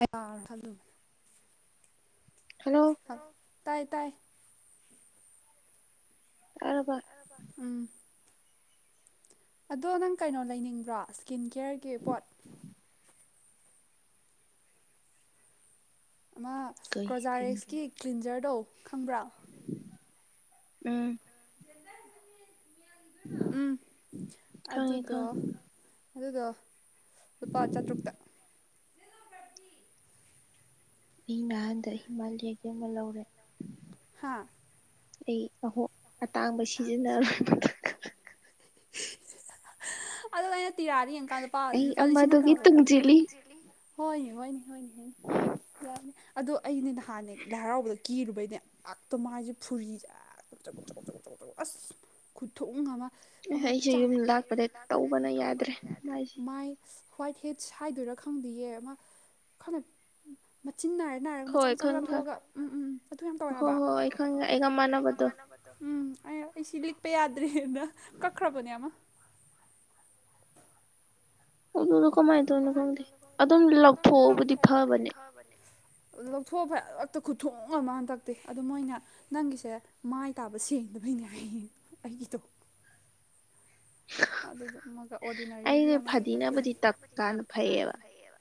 ꯌꯥꯔ ꯈꯜꯂꯨ ꯇꯥꯏ ꯇꯥꯏ ꯑ ꯀ ꯎꯝ ꯑꯗꯣ ꯅꯪ ꯀꯩꯅꯣ ꯂꯩꯅꯤꯡꯕ꯭ꯔꯣ ꯁ꯭ꯀꯤꯟ ꯀꯦꯌꯔꯒꯤ ꯄꯣꯠ ꯑꯃꯀ꯭ꯔꯣꯖꯥꯔꯦꯛꯁꯀꯤ ꯀ꯭ꯂꯤꯟꯖꯔꯗꯣ ꯈꯪꯕ꯭ꯔꯥ ꯎꯝ ꯎꯝ ꯑꯗꯨꯗꯣ ꯑꯗꯨꯗꯣ ꯁꯨꯄꯥ ꯍꯥꯆꯥ ꯊꯨꯛꯇ ꯑꯩ ꯅꯍꯥꯟꯗ ꯍꯤꯃꯥꯂꯌꯥꯒꯤ ꯑꯃ ꯂꯧꯔꯦ ꯍꯥꯥ ꯑꯩ ꯑꯍꯣ ꯑꯇꯥꯡꯕ ꯁꯤꯟꯅ ꯑ ꯑꯩꯅ ꯇꯤꯔꯥꯗꯤ ꯌꯦꯡ ꯀꯗꯄꯥꯄꯥꯁꯤꯡꯅ ꯍꯣꯏꯅꯦ ꯍꯣꯏꯅꯤ ꯍꯣꯏꯅꯤ ꯍꯣꯏꯅꯤ ꯌꯥꯅꯤ ꯑꯗꯣ ꯑꯩꯅꯦ ꯅꯍꯥꯟꯅꯦ ꯂꯥꯏ ꯍꯔꯥꯎꯕꯗ ꯀꯤꯔꯕꯨꯕꯗꯤꯦ ꯑꯗ ꯃꯥꯥꯏ ꯐꯨꯔꯤꯖ ꯑꯁ ꯈꯨꯠꯊꯣꯛꯅꯕ ꯆꯥꯁꯦ ꯌꯨꯝꯄ ꯇꯧꯕꯅ ꯌꯥꯗ꯭ꯔꯦ ꯃꯥꯏ ꯑꯁ ꯋꯥ꯭ꯋꯥꯏꯠ ꯍꯦꯠꯁ ꯍꯥꯏꯗꯣꯏꯔꯥ ꯈꯪꯗꯌꯦ ꯑꯃ ꯈꯪꯅ ꯁꯤꯖꯤꯟꯅꯅꯥꯔ ꯅꯥꯔꯒ ꯃꯆꯥ ꯃꯆꯥ ꯃꯆꯥ ꯊꯣꯛꯣꯛꯑꯒ ꯎꯝ ꯎꯝ ꯑꯗꯨ ꯌꯥꯝ ꯇꯧꯋꯦ ꯍꯥꯏꯕ ꯎꯝ ꯑꯩ ꯑꯩꯁꯤ ꯂꯤꯛꯄ ꯌꯥꯗ꯭ꯔꯦꯅ ꯀꯛꯈ꯭ꯔꯕꯅꯦ ꯑꯃ ꯑꯗꯨꯗꯣ ꯀꯃꯥꯏꯅ ꯇꯧꯔꯤꯅꯣ ꯈꯪꯗꯦ ꯑꯗꯨꯝ ꯂꯧꯊꯣꯛꯑꯕꯨꯗꯤ ꯐꯕꯅꯦ ꯍꯕꯅꯤ ꯂꯧꯊꯣꯛꯑ ꯐ ꯑꯛꯇ ꯈꯨꯠꯊꯣꯛ ꯉ ꯑꯃ ꯍꯟꯗꯛꯇꯤ ꯑꯗꯨ ꯃꯣꯏꯅ ꯅꯪꯒꯤꯁꯦ ꯃꯥꯏ ꯇꯥꯕ ꯁꯦꯡꯗꯕꯩꯅꯦ ꯑꯩ ꯑꯩꯒꯤꯗꯣ ꯑꯗꯨ ꯑꯃꯒ ꯑꯣꯔꯗꯤꯅꯔꯤꯒꯤ ꯑꯃꯒꯛꯕꯨ ꯀ ꯐꯩꯌꯦꯕ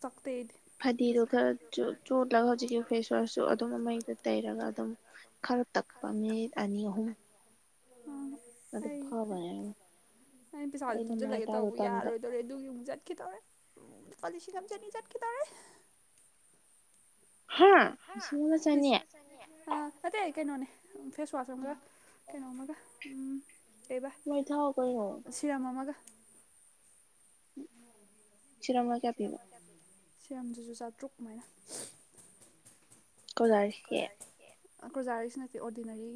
ꯆꯥꯛꯊꯠ ꯐꯗꯤꯗꯨꯣ ꯈꯔ ꯆꯣꯠꯂꯒ ꯍꯧꯖꯤꯛꯀꯤ ꯐꯦꯁ ꯋꯥꯁꯁꯨ ꯑꯗꯨꯝ ꯑꯃꯗ ꯇꯩꯔꯒ ꯑꯗꯨꯝ ꯈꯔ ꯇꯞꯄ ꯃ ꯑꯅꯤ ꯑꯍꯨꯝ ꯑꯝ ꯑꯗ ꯐꯥꯕ ꯌꯥ ꯄꯁꯥꯁꯦ ꯊꯨꯡꯁꯤꯜꯂꯒꯦ ꯇꯧꯕ ꯌꯥꯔꯣꯏꯗꯤ ꯑꯗꯨꯣꯔꯦ ꯑꯗꯨꯒꯤ ꯑꯃꯨꯛ ꯆꯠꯈꯤ ꯇꯧꯔꯦ ꯀꯂꯤꯁꯤꯒ ꯆꯅꯤ ꯆꯠꯈꯤꯗꯧꯔꯦ ꯍꯥ ꯏꯁꯤꯡ ꯑꯃ ꯆꯥꯅꯤꯌꯦ ꯑ ꯑꯇꯩ ꯀꯩꯅꯣꯅꯦ ꯐꯦꯁꯋꯥꯁ ꯑꯃꯒ ꯀꯩꯅꯣ ꯑꯃꯒ ꯂꯩꯕ ꯁꯤꯔꯝ ꯑꯃꯒ ꯁꯤꯔꯃ ꯁꯤꯔꯝꯁꯤꯁꯨ ꯆꯥꯇ꯭ꯔꯨꯛ ꯀꯨꯃꯥꯏꯅ ꯀꯣꯖꯥꯔꯤꯁꯤ ꯅꯠꯇꯦ ꯑꯣꯔꯗꯤꯅꯔꯤ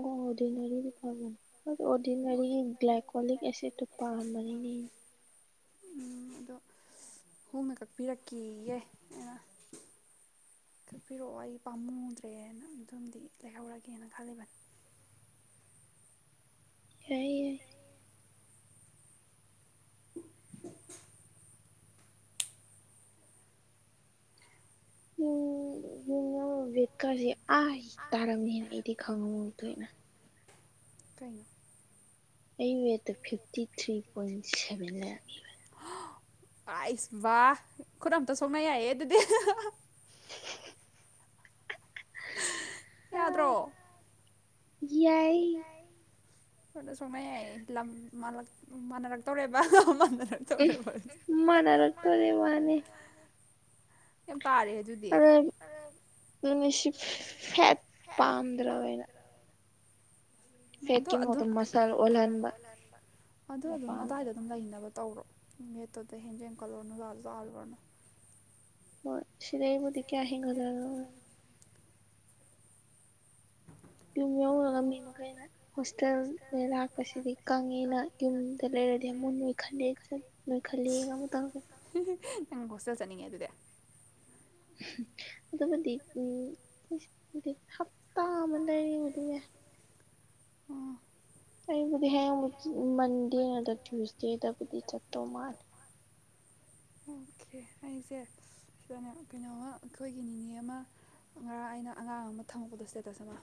ꯑꯣ ꯑꯗꯨꯅꯔꯤꯗꯤ ꯐꯥꯔ ꯑꯣꯔꯗꯤꯅꯔꯤ ꯒ꯭ꯂꯥꯏꯀꯣꯂꯤꯛ ꯑꯦꯁꯤꯠꯇꯨ ꯄꯥꯟꯕꯥꯟꯕꯅꯤꯅꯦ ꯎꯝ ꯑꯗꯣ ꯍꯣꯡꯅ ꯀꯛꯄꯤꯔꯛꯈꯤꯌꯦꯦ ꯑꯩꯅ ꯀꯛꯄꯤꯔꯛꯑꯣ ꯑꯩ ꯄꯥꯝꯃꯨꯗ꯭ꯔꯦꯅ ꯑꯗꯨꯝꯗꯤ ꯂꯩꯍꯧꯔꯒꯦꯅ ꯈꯜꯂꯦꯕꯅꯤ ꯍ ꯎ ꯚꯦꯠꯀꯔꯁꯦ ꯑꯥ ꯇꯥꯔꯝꯅꯤꯅ ꯑꯩꯗꯤ ꯈꯪꯍꯧꯗꯣꯏꯅ ꯀꯩꯅꯅꯣ ꯑꯩ ꯋꯦꯠꯇ ꯐꯤꯞꯇꯤ ꯊ꯭ꯔꯤ ꯄꯣꯏꯟ ꯁꯚꯦꯟ ꯂꯔꯅꯦꯕ ꯑꯩꯁ ꯈꯨꯗ ꯑꯝꯇ ꯁꯣꯛꯅ ꯌꯥꯏꯌꯦ ꯑꯗꯨꯗꯤ ꯌꯥꯗ꯭ꯔꯣ ꯌꯥ ꯁꯣꯗ ꯁꯣꯛꯅ ꯌꯥꯏ ꯂꯝ ꯃꯥꯟꯅꯔꯛꯇꯧꯔꯦꯕꯅ ꯃꯅꯔꯄ ꯋꯥꯅꯤ ꯀ ꯌꯥꯝ ꯇꯔꯦ ꯑꯗꯨꯗꯤ ꯑꯗꯨ ꯅꯤꯁꯤ ꯍꯦꯠ ꯄꯥꯝꯗ꯭ꯔꯕꯅ ꯑꯗꯣ ꯑꯗꯨ ꯑꯗꯣ ꯑꯗꯨꯝ ꯑꯋꯥꯏꯗ ꯑꯗꯨꯝ ꯂꯩꯅꯕ ꯇꯧꯔꯣ ꯃꯦꯠꯇꯨꯗ ꯍꯦꯟꯖꯦꯟ ꯀꯠꯂꯣ ꯖꯥꯖꯥꯜꯂꯨꯔꯅꯨ ꯑꯣꯣꯏ ꯁꯤꯂꯥꯏꯕꯨ ꯇꯀꯦꯤꯡꯒꯜ ꯇꯃ ꯌꯥꯎꯨ ꯃꯤ ꯃ ꯀꯩꯅ ꯍꯣꯁꯇꯦꯜꯗ ꯂꯥꯛꯄꯁꯤꯗꯤ ꯀꯪꯉꯦꯅ ꯌꯨꯝꯗ ꯂꯩꯔꯗꯤ ꯑꯃꯨꯣꯏ ꯈꯜꯂꯦ ꯆꯠꯂ ꯃ ꯈꯂꯒꯕꯨꯇꯦ꯫ ꯅꯪ ꯍꯣꯁꯇꯦꯜ ꯆꯠꯅꯤꯡꯉꯦ ꯑꯗꯨꯗꯤ ꯑꯗꯨꯕꯨꯗꯤ ꯎꯝ ꯍꯞꯇꯥ ꯑꯃ ꯂꯩꯗꯨꯅꯦ꯫ ꯑꯩꯗꯤ ꯃꯟꯗꯦ ꯅꯗ ꯇ꯭ꯌꯨꯁꯗꯦꯗꯗꯤ ꯆꯠꯠꯇꯣ ꯃꯥꯔ ꯑꯣꯀꯦ ꯑꯩꯁꯦ꯫ ꯀꯩꯅꯣꯝꯃ ꯑꯩꯈꯣꯏꯒꯤ ꯅꯤꯅꯦ ꯑꯃ ꯉꯔꯥꯡ ꯑꯩꯅ ꯑꯉꯥꯡ ꯑꯃ ꯊꯝꯃꯛꯄꯗꯣ ꯏꯁꯇꯦꯇꯁ ꯑꯃ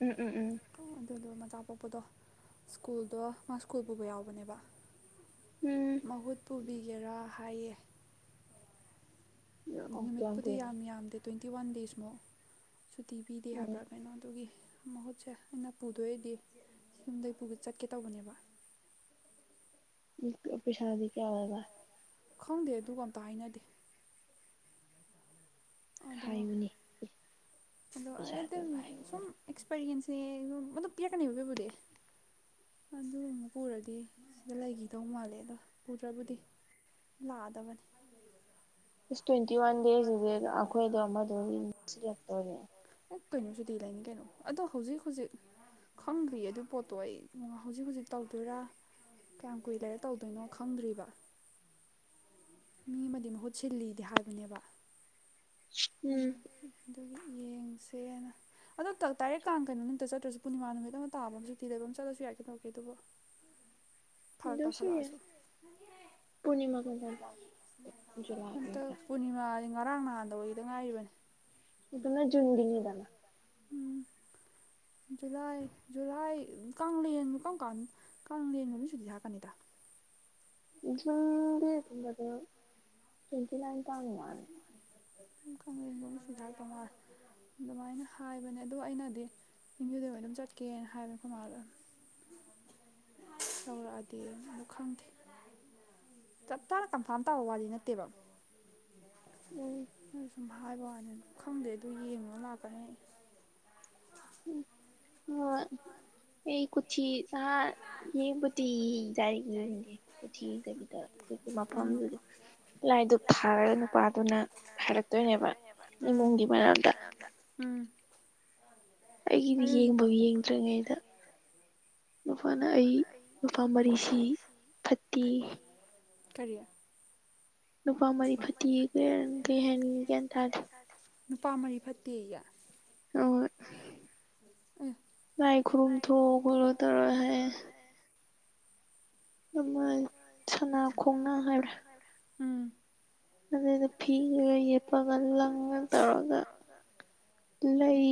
ꯎꯝ ꯎꯝ ꯎꯝ ꯑꯣ ꯑꯗꯨꯗꯨꯣ ꯃꯆꯥ ꯄꯣꯛꯄꯗꯣ ꯁ꯭ꯀꯨꯜꯗꯣ ꯃꯥ ꯁ꯭ꯀꯨꯜ ꯄꯨꯕ ꯌꯥꯎꯕꯅꯦꯕ ꯎꯝ ꯃꯍꯨꯠ ꯄꯨꯕꯤꯒꯦꯔꯥ ꯍꯥꯏꯌꯦ꯫ ꯅꯨꯃꯤꯠꯄꯨꯗꯤ ꯌꯥꯝ ꯌꯥꯝꯗꯦ ꯇ꯭ꯋꯦꯟꯇꯤ ꯋꯥꯟ ꯗꯦꯖꯃꯨꯛ꯫ ꯁꯨꯇꯤ ꯄꯤꯗꯦ ꯌꯥꯕ꯭ꯔꯥ ꯀꯩꯅꯣꯗꯨꯒꯤ꯫ ꯃꯍꯨꯠꯁꯦ ꯑꯩꯅ ꯄꯨꯗꯣꯏꯗꯤ ꯌꯨꯝꯗꯩ ꯄꯨꯒꯦ ꯆꯠꯀꯦ ꯇꯧꯕꯅꯦꯕ꯫ ꯄꯩꯁꯥꯗꯤ ꯀꯌꯥ ꯑꯣꯏꯕ ꯈꯪꯗꯦ ꯑꯗꯨꯒ ꯑꯝꯇ ꯍꯥꯏꯅꯗꯦ꯫ ꯍꯥꯏꯕꯅꯤ꯫ ꯑꯗꯣ ꯁꯨꯝ ꯑꯦꯛꯁꯄꯔꯤꯌꯦꯟꯁꯁꯦ ꯑꯗꯨꯝ ꯄꯤꯔꯛꯀꯅꯦꯕꯕꯕꯤꯕꯨꯗꯤ꯫ ꯑꯗꯨ ꯑꯃꯨꯛ ꯄꯨꯔꯗꯤ ꯁꯤꯗ ꯂꯩꯈꯤꯗꯧ ꯃꯥꯜꯂꯦ ꯑꯗꯣ ꯄꯨꯗ꯭ꯔꯕꯨꯗꯤ꯫ ꯂꯥꯗꯕꯅꯤ꯫ ꯏꯁ ꯇ꯭ꯋꯦꯟꯇꯤ ꯋꯥꯟ ꯗꯦꯖꯇꯗꯤ ꯑꯩꯈꯣꯏꯗꯣ ꯑꯃꯗꯣ ꯁꯤꯂ ꯇꯧꯔꯤ꯫ ꯑꯣ ꯀꯩꯅꯣꯁꯨꯗꯤ ꯂꯩꯅꯤ ꯀꯩꯅꯣ ꯑꯗꯣ ꯍꯧꯖꯤꯛ ꯍꯧꯖꯤꯛ ꯈꯪꯗ꯭ꯔꯤꯌꯦ ꯑꯗꯨ ꯄꯣꯠꯇꯣ ꯑꯩ ꯍꯧꯖꯤꯛ ꯍꯧꯖꯤꯛ ꯇꯧꯗꯣꯏꯔꯥ ꯀꯌꯥꯝ ꯀꯨꯏ ꯂꯩꯔꯦ ꯇꯧꯗꯣꯏꯅꯣ ꯈꯪꯗ꯭ꯔꯤꯕ ꯃꯤ ꯑꯃꯗꯤ ꯃꯍꯨꯠ ꯁꯤꯜꯂꯤꯗꯤ ꯍꯥꯏꯕꯅꯦꯕ꯫ ꯑꯗꯨꯒꯤ ꯌꯦꯟꯁꯦꯅ ꯑꯗꯣ ꯇꯔꯛꯀꯥꯟ ꯀꯩꯅꯣ ꯅꯨꯃꯤꯠꯇ ꯆꯠꯇ꯭ꯔꯁꯨ ꯄꯨꯔꯅꯤꯃꯥ ꯅꯨꯃꯤꯠ ꯑꯃ ꯇꯥꯕ ꯁꯨꯇꯤ ꯂꯩꯕ ꯑꯃ ꯆꯠꯂꯁꯨ ꯌꯥꯏꯦ ꯇꯧꯔꯀꯦ ꯑꯗꯨꯕꯨ ꯗꯁꯨꯌꯦ ꯄꯨꯅꯤꯃꯥꯒꯨꯝꯕꯥꯟꯗꯥ ꯨꯂꯥꯏ ꯑꯦ꯫ ꯄꯨꯔꯅꯤꯃꯥꯁꯤ ꯉꯔꯥꯡ ꯅꯍꯥꯟꯗꯩꯗ ꯉꯥꯏꯔꯤꯕꯅꯤ꯫ ꯑꯗꯨꯅ ꯖꯟꯗꯅꯤꯗꯅ꯫ ꯖꯨꯂꯥꯏ ꯖꯨꯂꯥꯏ ꯀꯦꯟ ꯀꯔꯝ ꯀꯥꯟ ꯀꯥꯡꯦꯟꯒ ꯃꯤ ꯁꯨꯗꯤ ꯊꯔꯛꯀꯅꯤꯗ ꯖꯨꯟ ꯗꯤ ꯀꯩꯅꯣꯗ ꯇ꯭ꯋꯦꯟꯇꯤ ꯅꯥꯏꯟ ꯇꯉꯅ ꯀ ꯁꯙꯥ ꯀꯨꯃꯥ ꯑꯗꯨꯃꯥꯏꯅ ꯍꯥꯏꯕꯅꯦ ꯑꯗꯣ ꯑꯩꯅꯗꯤ ꯌꯕꯤꯗ ꯑꯣꯏꯅ ꯑꯗꯨꯝ ꯆꯠꯀꯦꯅ ꯍꯥꯏꯕ ꯑꯈꯣꯏꯃꯗ ꯁꯥꯎꯔꯛꯑꯗꯤ ꯈꯪꯗꯦ꯫ ꯆꯞ ꯆꯥꯅ ꯀꯟꯐꯥꯔꯝ ꯇꯥꯕ ꯋꯥꯗꯤ ꯅꯠꯇꯦꯕ꯫ ꯎꯝ ꯑꯗꯨ ꯁꯨꯝ ꯍꯥꯏꯕ ꯋꯥꯅꯤ ꯈꯪꯗꯦ ꯑꯗꯨ ꯌꯦꯡꯉꯒ ꯂꯥꯛꯀꯅꯤ ꯑꯩ ꯑꯣ ꯑꯩ ꯀꯆꯤ ꯑ ꯌꯦ꯫ ꯀꯣꯇꯤꯖ ꯌꯦꯡꯗꯦ ꯀꯣꯊꯤ ꯌꯦꯗꯕꯤꯗ ꯍꯧꯖꯤꯛ ꯃꯐꯝꯗꯨꯗꯤ ꯂꯥꯏ ꯑꯗꯨ ꯐꯜꯅ ꯈ ꯅꯨꯄꯥꯗꯨꯅ ꯍꯥꯏꯔꯛꯇꯣꯏꯅꯦꯕ ꯎꯝ ꯏꯃꯨꯡꯒꯤ ꯃꯔꯝꯗ ꯎꯝ ꯑꯩꯒꯤꯗꯤ ꯌꯦꯡꯕꯕꯨ ꯌꯦꯡꯗ꯭ꯔꯤꯉꯩꯗ ꯅꯨꯄꯥꯅ ꯑꯩ ꯅꯨꯄꯥ ꯃꯔꯤ ꯁꯤ ꯐꯠꯇꯤꯌꯦ꯫ ꯀꯔꯤ ꯅꯨꯄꯥ ꯃꯔꯤ ꯐꯇꯤ [unintelligible] ꯅꯨꯄꯥ ꯃꯔꯤ ꯐꯠꯇꯦꯌꯦ ꯑꯣꯏ ꯂꯥꯏ ꯈꯨꯔꯨꯝ ꯊꯣꯛꯑꯣ ꯈꯣꯠꯂꯣ ꯇꯧꯔꯒ ꯍꯥꯏꯌꯦ ꯑꯃ ꯁꯅꯥ ꯈꯣꯡꯅꯥꯡ ꯍꯥꯏꯕ꯭ꯔꯥ ꯎꯝ ꯑꯗꯨꯏꯗꯨ ꯐꯤꯒ ꯌꯦꯄꯒ ꯂꯪꯒ ꯇꯧꯔꯒ ꯂꯩ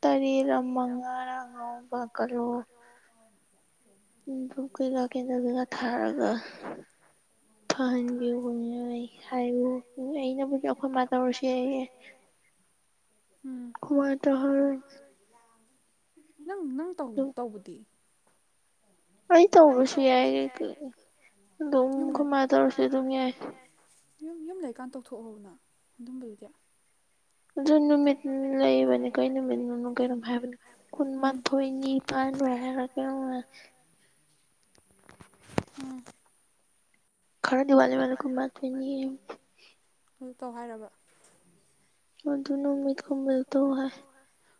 ꯇꯔꯦꯠꯔ ꯃꯉꯥꯔ ꯑꯉꯥꯎꯕ ꯀꯠꯔꯣ ꯗꯨꯛ ꯀꯩꯀꯥ ꯀꯦꯟꯗꯜ ꯀꯩꯀꯥ ꯊꯥꯔꯒ ꯐꯍꯟꯕꯤꯌꯨ ꯑꯩ ꯍꯥꯏꯌꯨ ꯑꯩꯅꯕꯨꯗꯤ ꯑꯩꯈꯣꯏ ꯃꯥ ꯇꯧꯔꯁꯤ [unintelligible] [inaudible] [unintelligible] ꯅꯪ ꯅꯪ ꯇꯧꯕꯗꯤ ꯑꯩ ꯇꯧꯕꯁꯨ ꯌꯥꯏ ꯑꯗꯨꯝ ꯈꯣꯏꯃꯥꯅ ꯇꯧꯔꯁꯨ ꯑꯗꯨꯝ ꯌꯥꯏ ꯌꯨꯝ ꯌꯨꯝ ꯂꯩꯀꯥꯟꯗ ꯇꯧꯊꯣꯛꯍꯧꯅ ꯑꯗꯨꯝꯕꯗꯨꯗꯤ ꯑꯗꯨ ꯅꯨꯃꯤꯠ ꯂꯩꯕꯅꯦ ꯀꯩ ꯅꯨꯃꯤꯠꯅꯣ ꯀꯩꯅꯣ ꯍꯥꯏꯕꯅꯦ ꯀꯨꯟꯃꯥꯊꯣꯏꯅꯤ ꯄꯥꯟꯕ [unintelligible] ꯗꯤꯋꯥꯂꯤ [unintelligible] ꯃꯥ ꯊꯣꯏꯅꯤ [unintelligible] ꯇꯧ ꯍꯥꯏꯔꯕ [unintelligible]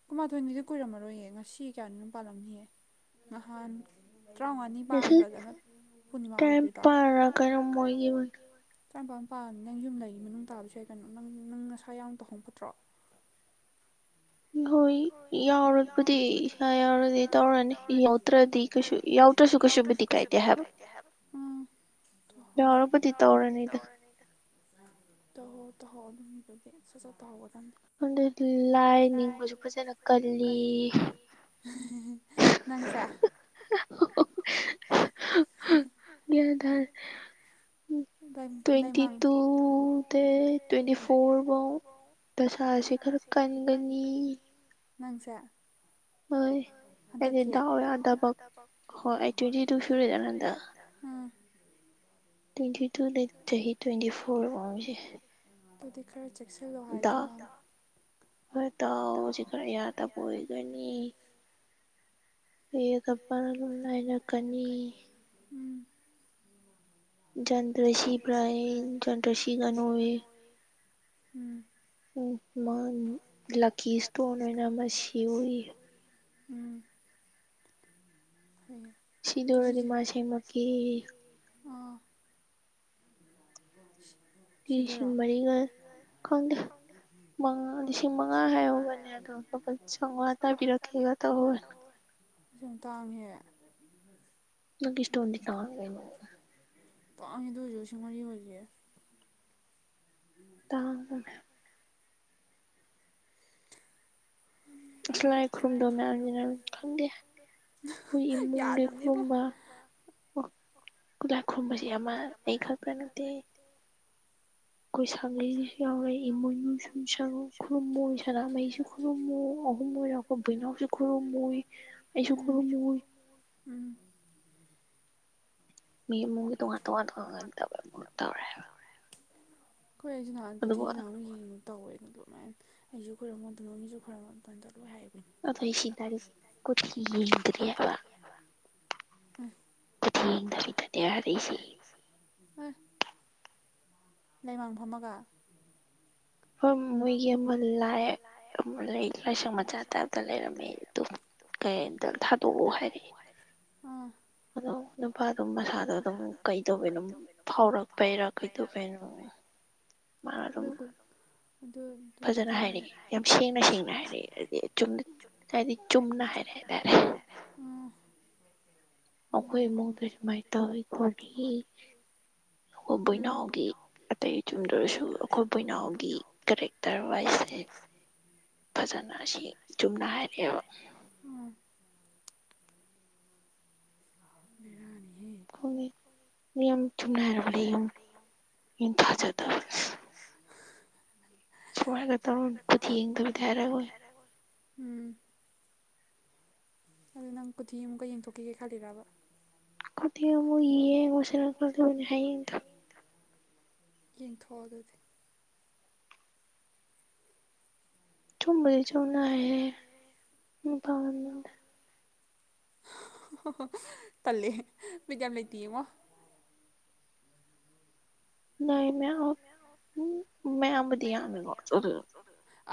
ꯀꯨꯟꯃꯥꯊꯣꯏꯅꯤꯗꯤ ꯀꯨꯔꯝꯃꯔꯣꯏꯌꯦ ꯉꯁꯤ ꯀꯌꯥꯅꯤꯅꯣ ꯄꯥꯜꯂꯝꯅꯤꯑꯦ ꯅꯍꯥꯟ ꯇꯔꯥꯃꯉꯥꯅꯤ ꯄꯥꯟꯕꯗ [unintelligible] ꯄꯨꯔꯅꯤꯃꯥ ꯑꯣꯏꯒ꯭ꯔꯤꯗꯣ [unintelligible] ꯇꯔꯥꯅꯤꯄꯥꯜ ꯄꯥꯟ ꯅꯪ ꯌꯨꯝ ꯂꯩ ꯃꯅꯨꯡ ꯇꯥꯕꯁꯨ ꯌꯥꯏ ꯀꯩꯅꯣ ꯅꯪ ꯅꯪ ꯅꯁꯥ ꯌꯥꯎꯅ ꯇꯧꯍꯧꯅ ꯐꯇ꯭ꯔꯣ ꯍꯣꯏ ꯌꯥꯎꯔꯕꯨꯗꯤ ꯏꯁꯥ ꯌꯥꯎꯔꯗꯤ ꯇꯧꯔꯅꯤ ꯌꯥꯎꯇ꯭ꯔꯗꯤ [unintelligible] ꯀꯩꯁꯨꯕꯨꯗꯤ ꯀꯥꯏꯗꯦ ꯍꯥꯏꯕ [unintelligible] ꯇꯧꯔꯅꯤꯗ ꯇꯧꯍꯣ ꯇꯧꯍꯣꯑꯣ ꯑꯗꯨꯝꯒꯤꯕꯨꯗꯤ ꯁꯠ ꯁꯠ ꯇꯧꯍꯧꯒꯗꯕꯅꯤ ꯑꯗꯨꯗꯤ ꯂꯥꯏ ꯅꯤꯡꯕꯁꯨ ꯐꯖꯅ [unintelligible] ꯅꯪꯁꯦ [unintelligible] ꯇ꯭ꯋꯦꯟꯇꯤ ꯇꯨ ꯗꯩ ꯇ꯭ꯋꯦꯟꯇꯤ ꯐꯣꯔ ꯐꯥꯎ ꯗꯁꯥꯁꯤ ꯈꯔ ꯀꯟꯒꯅꯤ ꯅꯪꯁꯦ ꯍꯣꯏ ꯍꯟꯗꯛꯀꯤ [unintelligible] ꯍꯣꯏ ꯑꯩ ꯇ꯭ꯋꯦꯟꯇꯤ ꯁꯨꯔꯗꯅ [unintelligible] ꯑꯥ ꯇ꯭ꯋꯦꯟꯇꯤ ꯇꯨꯗꯩ ꯆꯍꯤ ꯇ꯭ꯋꯦꯟꯇꯤ ꯐꯣꯔ ꯕꯥꯎꯁꯦ ꯑꯗꯨꯗꯤ ꯈꯔ ꯆꯦꯛꯁꯤꯜꯂꯣ ꯍꯥꯏꯀꯣ ꯅꯪ ꯍꯣꯏ ꯇꯥꯎ ꯁꯤ ꯈꯔ ꯌꯥꯗꯕ ꯑꯣꯏꯒꯅꯤ [unintelligible] ꯑꯗꯨꯝ ꯅꯥꯏꯔꯛꯀꯅꯤ ꯎꯝ [unintelligible] ꯎꯝ ꯎꯝ ꯃꯥ ꯂꯛꯀꯤ ꯏꯁꯇꯣꯟ ꯑꯣꯏꯅ ꯑꯃ ꯁꯤ ꯑꯣꯌꯦ ꯎꯝ [unintelligible] [unintelligible] ꯀ꯭ꯔꯤꯁꯤꯡ ꯃꯔꯤꯒ ꯈꯪꯗꯦ ꯃꯉꯥ ꯂꯤꯁꯤꯡ ꯃꯉꯥ ꯍꯥꯏꯔꯧꯕꯅꯦ ꯑꯗꯣ ꯂꯨꯄ ꯆꯥꯝꯃꯉꯥ ꯇꯥꯕꯤꯔꯛꯈꯤꯕꯅꯦ ꯑꯗꯨꯃꯥꯏ ꯇꯧꯋꯦ ꯑꯁ ꯌꯥꯝ ꯇꯥꯡꯉꯤꯍꯦ ꯂꯛꯀꯤ ꯏꯁꯇꯣꯟꯗꯤ ꯇꯥꯡꯉꯤ ꯀꯩꯅꯣ ꯇꯥꯡꯉꯤ ꯑꯗꯨ ꯑꯣꯏꯖꯨ ꯂꯤꯁꯤꯡ ꯃꯔꯤ ꯑꯣꯏꯗꯤ ꯇꯥꯡꯕꯅꯦ꯫ ꯎꯝ꯫ ꯂꯥꯏ ꯈꯨꯔꯨꯝꯗꯧ ꯃꯌꯥꯝꯖꯤꯅ ꯈꯪꯗꯦ ꯈꯣꯏ ꯏꯃꯨꯡꯒꯤ ꯈꯨꯔꯨꯝꯕ꯫ ꯑꯣ ꯈꯨꯂꯥꯛ ꯈꯨꯨꯝꯕꯁꯤ ꯑꯃ ꯑꯩ ꯈꯛꯇ ꯅꯠꯇꯦ꯫ ꯑꯩꯈꯣꯏ ꯁꯥꯡꯂꯤꯁꯨ ꯌꯥꯎꯔꯛꯏ ꯏꯃꯣꯏꯅꯨ [unintelligible] ꯈꯨꯔꯨꯝꯃꯣ ꯁꯥꯅ ꯃꯍꯤꯁꯨ ꯈꯨꯔꯨꯝꯃꯨ ꯑꯍꯨꯝ ꯑꯣꯏ ꯑꯩꯈꯣꯏ ꯕꯦꯅꯥꯎꯖꯨ ꯈꯨꯔꯨꯝꯃꯣꯌꯦ ꯑꯩꯁꯨ ꯈꯨꯔꯨꯝꯃꯣꯌꯦ꯫ ꯎꯝ꯫ ꯃꯤ ꯏꯃꯨꯡꯒꯤ ꯇꯣꯉꯥꯟ ꯇꯣꯉꯥꯟ [unintelligible] ꯇꯧꯔ ꯇꯧꯔꯦꯕ꯫ ꯍꯣꯏꯁꯨ ꯅꯍꯥꯟ ꯀꯣꯊꯤ ꯅꯍꯥꯟ [unintelligible] ꯃꯨꯛ ꯌꯦꯡꯉꯨ ꯇꯧꯋꯦ ꯑꯗꯨ ꯑꯗꯨꯃꯥꯏꯅ ꯑꯩꯁꯨ ꯈꯣꯏꯔꯝꯃꯣ [unintelligible] ꯑꯗꯨꯃꯅꯗ ꯂꯣꯏ ꯍꯥꯏꯕꯅꯤ꯫ [unintelligible] ꯀꯣꯊꯤ ꯌꯦꯡꯗꯔꯤ ꯍꯥꯏꯕ꯫ ꯈꯨꯊꯦ ꯌꯦꯡꯗꯕꯤꯗꯅꯤ ꯍꯥꯏꯔꯛꯏꯁꯤ꯫ ꯑꯩ꯫ ꯂꯩꯃꯥꯡ ꯐꯝꯃꯒ꯫ ꯐꯝ ꯃꯣꯏꯒꯤ ꯑꯃ ꯂꯥꯏ ꯑꯝ ꯂꯩ ꯂꯥꯏꯁꯪꯃꯆꯥ ꯇꯥꯏꯞꯇ ꯂꯩꯔꯝꯃꯦ ꯑꯗꯨ꯫ ꯀꯩꯏꯝꯇ ꯊꯥꯗꯣꯛꯑꯣ ꯍꯥꯏꯔꯛꯏ꯫ ꯎꯝ꯫ ꯑꯗꯣ ꯅꯨꯄꯥꯗꯣ ꯃꯁꯥꯗꯣ ꯑꯗꯨꯝ ꯀꯩꯗꯧꯕꯦꯅꯣꯝ ꯐꯥꯎꯔꯛꯄꯩꯔꯥ ꯀꯩꯗꯧꯕꯩꯅꯣ꯫ ꯃꯥꯔꯝ꯫ ꯑꯗꯨꯅꯤ꯫ ꯐꯖꯅ ꯍꯥꯏꯔꯛꯑꯦ ꯌꯥꯝ ꯁꯦꯡꯅ ꯁꯦꯡꯅ ꯍꯥꯏꯔꯛꯑꯦ ꯍꯥꯏꯗꯤ ꯆꯨꯝꯅ꯫ ꯍꯥꯏꯗꯤ ꯆꯨꯝꯅ ꯍꯥꯏꯔꯛꯑꯦ ꯍꯥꯏꯇꯥꯔꯦ꯫ ꯎꯝ꯫ ꯑꯩꯈꯣꯏ ꯏꯃꯨꯡꯗꯤ ꯁꯨꯃꯥꯏ ꯇꯧꯋꯤ ꯈꯣꯠꯂꯤ꯫ [inaudible] ꯎꯝ ꯕꯣꯏꯅꯥꯎꯒꯤ ꯑꯇꯩ ꯑꯗꯨꯗꯔꯁꯨ ꯑꯩꯈꯣꯏ ꯕꯣꯏꯅꯥꯎꯒꯤ ꯀꯦꯔꯦꯛꯇꯔ ꯋꯥꯏꯁꯁꯦ꯫ [inaudible] ꯐꯖꯅ ꯑꯁꯦꯡ ꯆꯨꯝꯅ ꯍꯥꯏꯔꯛꯑꯦꯕ꯫ ꯕꯦꯔꯥꯅꯤꯍꯦ꯫ ꯈꯪꯗꯦ ꯅꯤꯌꯝ ꯆꯨꯝꯅ ꯍꯥꯏꯔꯛꯄꯔ ꯌꯦꯡꯉꯨ ꯑꯩ ꯊꯥꯖꯗꯕꯁꯤ꯫ [unintelligible] ꯁꯨꯃꯥꯏꯒ ꯇꯧꯔꯝ ꯀꯨꯊꯤ ꯌꯦꯡꯕꯗꯗꯤ ꯍꯥꯏꯔꯛꯑꯣꯏ꯫ ꯎꯝ꯫ ꯑꯗꯨ ꯅꯪ ꯀꯨꯊꯤ ꯑꯃꯨꯛꯀ ꯌꯦꯡꯊꯣꯛꯈꯤꯒꯦ ꯈꯜꯂꯤꯔꯕ꯫ ꯀꯨꯊꯤ ꯑꯃꯨꯛ ꯌꯦꯡꯉꯨꯁꯤꯔ ꯈꯜꯂꯤꯕꯅꯤ ꯍꯌꯦꯡꯗꯣ꯫ ꯌꯦꯡꯊꯣꯛꯑꯣ ꯑꯗꯨꯗꯤ꯫ ꯆꯨꯝꯕꯨꯗꯤ ꯆꯨꯝꯅ ꯍꯥꯏꯔꯛꯑꯦ [unintelligible] ꯇꯜꯂꯦ ꯕꯤꯠ ꯌꯥꯝ ꯂꯩꯇꯦ ꯌꯦꯉꯣ꯫ [unintelligible] ꯃꯌꯥꯝꯕꯨꯗꯤ ꯌꯥꯝꯃꯦꯀꯣ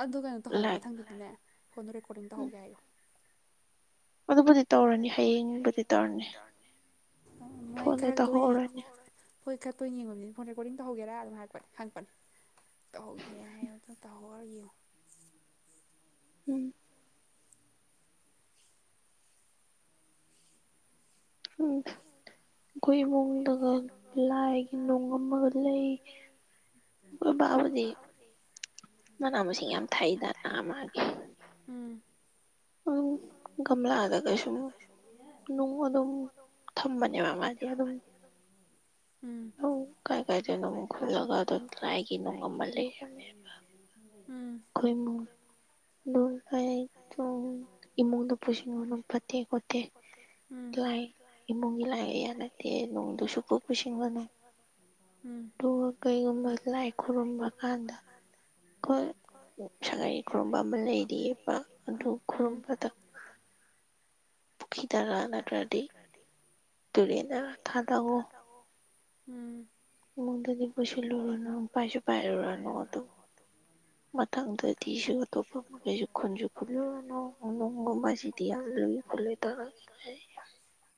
ꯑꯗꯨ ꯀꯩꯅꯣ ꯇꯧꯍꯧ ꯃꯊꯪꯗꯗꯤ꯫ ꯅꯦ ꯐꯣꯟꯗ ꯔꯦꯀꯣꯔꯗꯤꯡ ꯇꯧꯍꯧꯒꯦ ꯍꯥꯏꯌꯨ꯫ ꯑꯗꯨꯕꯨꯗꯤ ꯇꯧꯔꯅꯤ ꯍꯌꯦꯡꯕꯨꯗꯤ ꯇꯧꯔꯅꯤ꯫ ꯐꯣꯟꯗ ꯇꯧꯍꯧꯔꯅꯤ꯫ ꯈꯣꯏ ꯈꯔ ꯇꯣꯏ ꯌꯦꯡꯕꯅꯤꯅ ꯐꯣꯟ ꯔꯦꯀꯣꯔꯗꯤꯡ ꯇꯧꯍꯧꯒꯦꯔꯥ ꯑꯗꯨꯝ ꯍꯥꯏꯔꯄꯅꯤ ꯍꯪꯛꯄꯅꯤ ꯇꯧꯍꯧꯒꯦ ꯍꯥꯏꯌꯣ ꯑꯗꯣ ꯇꯧꯍꯧꯒꯦ ꯍꯨ ꯑꯥꯔ ꯌꯨ꯫ ꯎꯝ꯫ [unintelligible] ꯑꯩꯈꯣꯏ ꯏꯃꯨꯡꯗꯒ ꯂꯥꯏꯒꯤ ꯅꯨꯡ ꯑꯃꯒ ꯂꯩ ꯑꯩꯈꯣꯏ ꯕꯥꯕꯨꯗꯤ ꯃꯅꯥ ꯃꯁꯤꯡ ꯌꯥꯝ ꯊꯩꯗꯅꯥ ꯃꯥꯒꯤ ꯎꯝ ꯎꯝ ꯒꯝꯂꯥꯗ ꯀꯩꯁꯨꯝ ꯅꯨꯡ ꯑꯗꯨꯝ ꯊꯝꯕꯅꯦꯕ ꯃꯥꯗꯤ ꯑꯗꯨꯝ ꯎꯝ ꯀꯥꯏ ꯀꯥꯏꯗꯩꯅꯣ ꯈꯨꯜꯂꯒ ꯑꯗꯨ ꯂꯥꯏꯒꯤ ꯅꯨꯡ ꯑꯃ ꯂꯩꯔꯝꯃꯦꯕ [unintelligible] ꯏꯃꯨꯡꯗ ꯄꯨꯁꯤꯟꯒꯅꯨ ꯐꯠꯇꯦ ꯈꯣꯠꯇꯦ ꯂꯥꯏ ꯏꯃꯨꯡꯒꯤ ꯂꯥꯏꯒ ꯌꯥꯅꯇꯦ ꯅꯣꯡꯗꯁꯨ [unintelligible] ꯄꯨꯁꯤꯟꯒꯅꯨ ꯑꯗꯨꯒ ꯀꯩꯒꯨꯝꯕ ꯂꯥꯏ ꯈꯨꯔꯨꯝꯕ ꯀꯥꯟꯗ ꯑꯩꯈꯣꯏ [unintelligible] ꯈꯨꯔꯨꯝꯕ ꯑꯃ ꯂꯩꯔꯤ ꯑꯄꯥ ꯑꯗꯨ ꯈꯨꯔꯨꯝꯕꯗ ꯄꯨꯈꯤꯗꯔꯥ ꯅꯠꯇ꯭ꯔꯗꯤ ꯇꯨꯔꯦꯟꯗꯔꯥ ꯊꯥꯗꯧꯋꯣ ꯎꯝ ꯏꯃꯨꯡꯗꯗꯤ ꯄꯨꯁꯤꯟꯂꯨꯔꯅꯨ ꯄꯥꯏꯁꯨ ꯄꯥꯏꯔꯨꯔꯅꯨ ꯑꯗꯨ ꯃꯊꯪꯗꯗꯤꯁꯨ ꯑꯇꯣꯞꯄ ꯑꯃ [unintelligible] ꯈꯨꯜꯂꯨꯔꯅꯨ ꯅꯨꯡꯒꯨꯝꯕꯁꯤꯗꯤ ꯌꯥꯝ ꯂꯨꯏ [unintelligible]